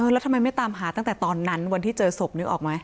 แล้วทำไมไม่ตามหาตั้งแต่ตอนนั้นวันที่เจอศพนึกออกไหม